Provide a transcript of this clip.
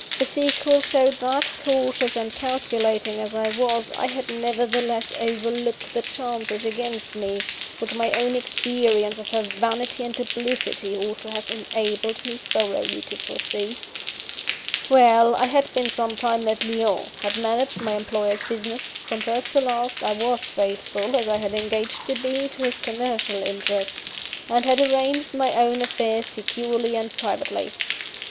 The sequel showed that, cautious and calculating as I was, I had nevertheless overlooked the chances against me, which my own experience of her vanity and duplicity ought to have enabled me thoroughly to foresee. "Well: I had been some time at Lyons; had managed my employer's business (from first to last, I was faithful, as I had engaged to be, to his commercial interests); and had arranged my own affairs securely and privately.